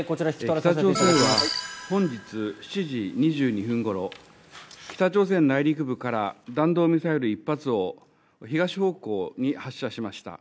北朝鮮は本日７時２２分ごろ北朝鮮内陸部から弾道ミサイル１発を東方向に発射しました。